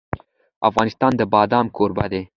افغانستان د بادام کوربه دی.